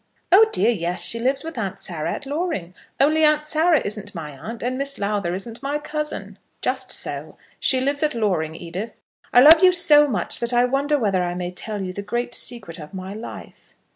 "Oh, dear, yes; she lives with Aunt Sarah at Loring; only Aunt Sarah isn't my aunt, and Miss Lowther isn't my cousin." "Just so. She lives at Loring. Edith, I love you so much that I wonder whether I may tell you the great secret of my life?"